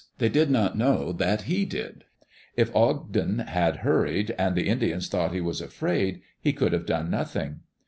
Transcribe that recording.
They did not know that he did. If Ogden had hurried, and the Indians thought he was afraid, he could have done nothing.